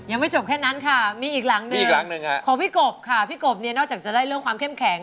ยังไม่จบแค่นั้นค่ะมีอีกหลังหนึ่งอีกหลังหนึ่งของพี่กบค่ะพี่กบเนี่ยนอกจากจะได้เรื่องความเข้มแข็ง